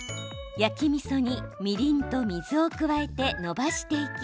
焼きみそにみりんと水を加えてのばしていき